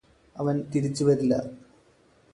അവന് തിരിച്ച് വരില്ല